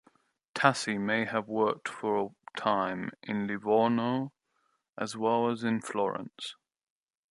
Tassi may have worked for a time in Livorno, as well as in Florence.